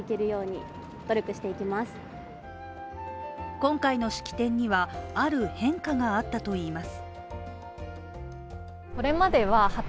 今回の式典には、ある変化があったといいます。